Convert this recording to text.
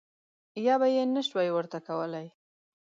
یا به یې نه شوای ورته کولای.